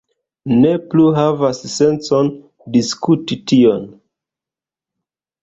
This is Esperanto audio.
Ne plu havas sencon diskuti tion.